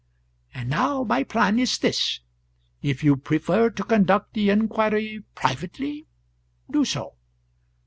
"And now my plan is this: If you prefer to conduct the inquiry privately, do so.